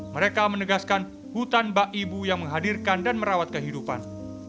mereka menegaskan hutan bak ibu yang menghadirkan dan merawat kehidupan